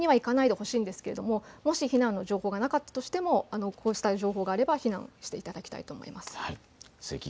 わざわざ見には行かないでほしいんですがもし避難の情報がなくてもこうした情報があれば避難していただきたいと思います。